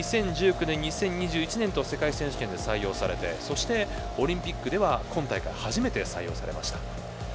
２０１９年、２０２１年と世界選手権で採用されてそしてオリンピックでは今大会で初めて採用されました。